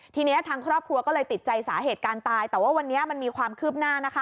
ทีนี้ทางครอบครัวก็เลยติดใจสาเหตุการณ์ตายแต่ว่าวันนี้มันมีความคืบหน้านะคะ